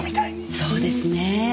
そうですねえ。